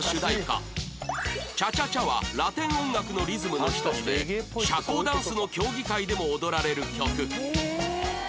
チャチャチャはラテン音楽のリズムの一つで社交ダンスの競技会でも踊られる曲